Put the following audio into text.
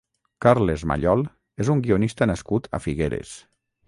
Carles Mallol és un guionista nascut a Figueres.